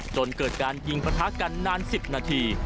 จนเกิดการยิงประทะกันนาน๑๐นาที